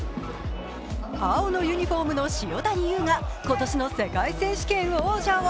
青のユニフォームの塩谷優が今年の世界選手権王者を